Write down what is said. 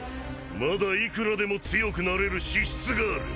まだいくらでも強くなれる資質がある。